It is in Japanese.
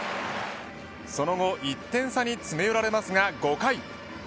その後１点差に詰め寄られますが５回。